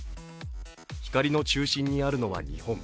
光の中心にあるのは日本。